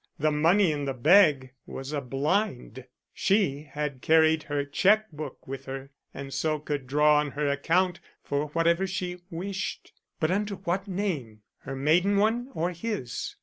The money in the bag was a blind she had carried her check book with her and so could draw on her account for whatever she wished. But under what name? Her maiden one or his?